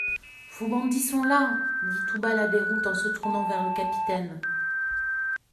Vos bandits sont là ! dit tout bas la Déroute en se tournant vers le capitaine.